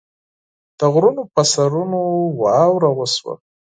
د غرونو پۀ سرونو واوره وشوه